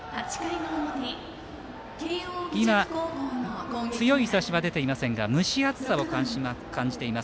今、強い日ざしは出ていませんが蒸し暑さを感じています。